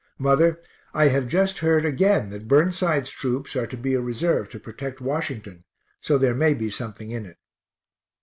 Mother, I have just heard again that Burnside's troops are to be a reserve to protect Washington, so there may be something in it.